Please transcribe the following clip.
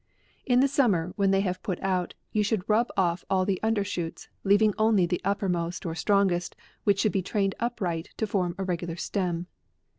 In the summer, when they have put out, you should rub offall the under shoots, leav ing only the uppermost or strongest, which should be trained upright, to form a regular stem.